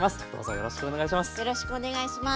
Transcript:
よろしくお願いします。